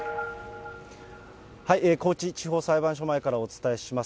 高知地方裁判所前からお伝えします。